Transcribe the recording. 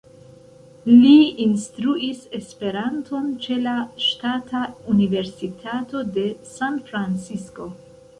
Li instruis Esperanton ĉe la Ŝtata Universitato de San-Francisko.